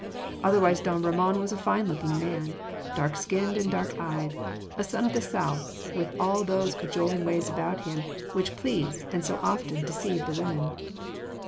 Otherwise don Ramon was a fine looking man, dark skinned and dark eyed, a son of the South, with all those cajoling ways about him which please and so often deceive the women.